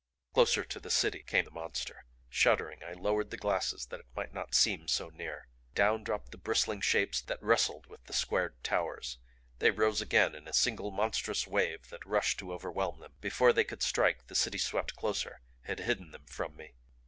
Closer to the City came the Monster; shuddering I lowered the glasses that it might not seem so near. Down dropped the bristling Shapes that wrestled with the squared Towers. They rose again in a single monstrous wave that rushed to overwhelm them. Before they could strike the City swept closer; had hidden them from me.